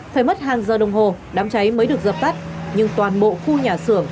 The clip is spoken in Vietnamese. phải mất hàng giờ đồng hồ đám cháy mới được dập tắt nhưng toàn bộ khu nhà xưởng